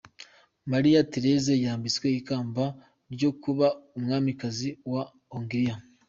Maria Theresa yambitswe ikamba ryo kuba umwamikazi wa Hongriya.